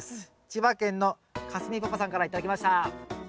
千葉県のかすみパパさんから頂きました。